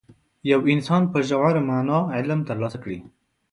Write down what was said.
یو انسان په ژوره معنا علم ترلاسه کړي.